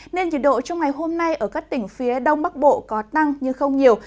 nên nhiệt độ trong ngày hôm nay ở các tỉnh phía đông bắc bộ có tăng nhưng không nhiều